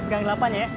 gak ngelapan ya